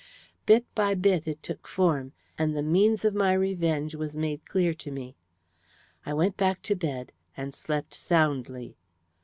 Bit by bit it took form, and the means of my revenge was made clear to me. I went back to bed and slept soundly.